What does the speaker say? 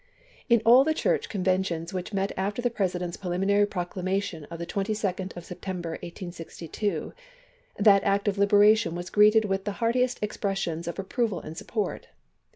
In all the Church conventions which met after the President's preliminary proclamation of the 22d of September, 1862, that act of liberation was greeted with the heartiest expressions of approval and support.